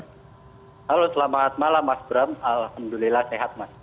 halo selamat malam mas bram alhamdulillah sehat mas